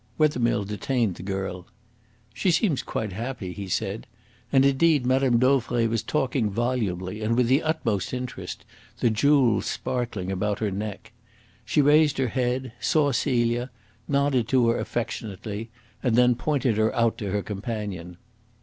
Wethermill detained the girl. "She seems quite happy," he said; and, indeed, Mme. Dauvray was talking volubly and with the utmost interest, the jewels sparkling about her neck. She raised her head, saw Celia, nodded to her affectionately, and then pointed her out to her companion.